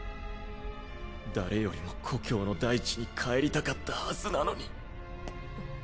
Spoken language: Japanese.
誰よりも故郷の大地に帰りたかったはずなのに。